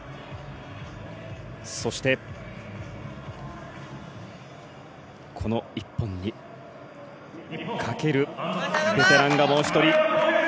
そして、この１本にかけるベテランがもう１人。